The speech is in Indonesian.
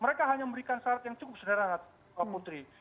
mereka hanya memberikan syarat yang cukup sederhana putri